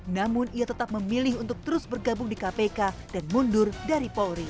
namun ia tetap memilih untuk terus bergabung di kpk dan mundur dari polri